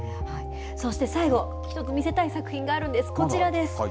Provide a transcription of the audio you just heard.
そして最後、一つ見せたい作品があるんです、こちらです。